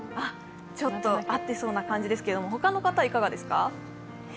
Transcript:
ちょっと合ってそうな感じですけど、他の方はいかがですか？